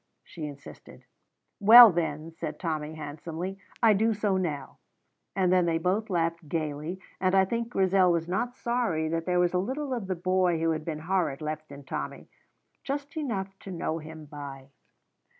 she insisted. "Well, then," said Tommy, handsomely, "I do so now"; and then they both laughed gaily, and I think Grizel was not sorry that there was a little of the boy who had been horrid left in Tommy just enough to know him by.